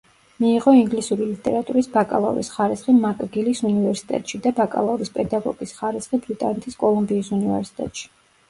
მიიღო ინგლისური ლიტერატურის ბაკალავრის ხარისხი მაკგილის უნივერსიტეტში და ბაკალავრის პედაგოგის ხარისხი ბრიტანეთის კოლუმბიის უნივერსიტეტში.